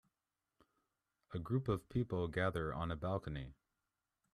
A group of people gather on a balcony.